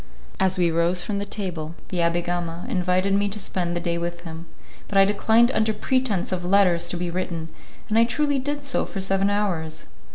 As we rose from the table, the Abbé Gama invited me to spend the day with him, but I declined under pretence of letters to be written, and I truly did so for seven hours.